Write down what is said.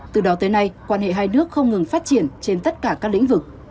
từ đó tới nay quan hệ hai nước không ngừng phát triển trên tất cả các lĩnh vực